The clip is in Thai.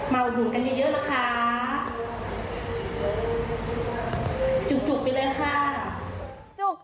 มาอุดหนุนกันเยอะนะคะ